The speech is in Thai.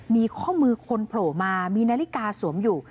มีข้อมือคนโผล่มามีนาฬิกาสวมอยู่